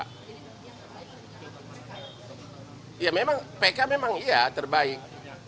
ya memang pk memang iya terbaik